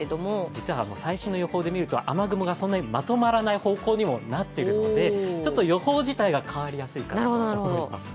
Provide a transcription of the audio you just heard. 実は最新の予報で見ると雨雲がそんなにまとまらない傾向になっているのでちょっと予報自体が変わりやすいかなと思います。